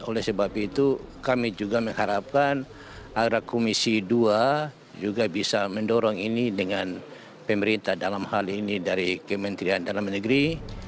oleh sebab itu kami juga mengharapkan agar komisi dua juga bisa mendorong ini dengan pemerintah dalam hal ini dari kementerian dalam negeri